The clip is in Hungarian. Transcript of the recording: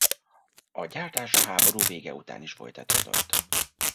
A gyártás a háború vége után is folytatódott.